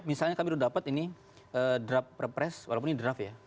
misalnya kami udah dapat ini draft perpres walaupun ini draft ya